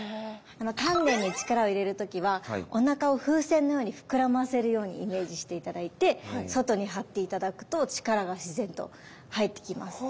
丹田に力を入れるときはおなかを風船のように膨らませるようにイメージして頂いて外に張って頂くと力が自然と入ってきます